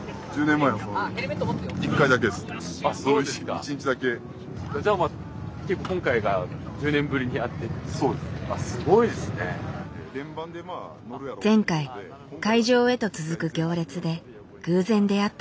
前回会場へと続く行列で偶然出会った２人。